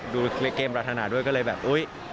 ดูเกมรัฐนาด้วยก็เลยแบบอุ๊ย